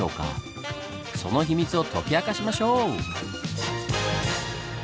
その秘密を解き明かしましょう！